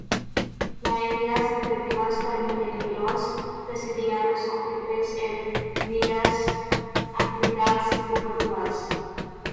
Las área recreativas permiten a los presidiarios ocuparse en varias actividades deportivas.